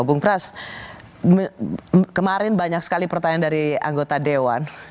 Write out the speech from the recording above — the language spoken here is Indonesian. bung pras kemarin banyak sekali pertanyaan dari anggota dewan